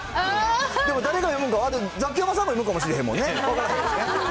でも、誰が読むか、ザキヤマさんが読むかも分からへんもんね。